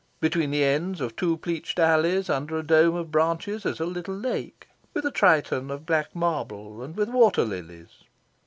Between the ends of two pleached alleys, under a dome of branches, is a little lake, with a Triton of black marble, and with water lilies.